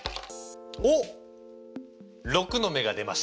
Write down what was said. おっ６の目が出ました。